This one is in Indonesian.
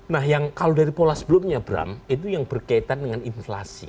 nah yang kalau dari pola sebelumnya bram itu yang berkaitan dengan inflasi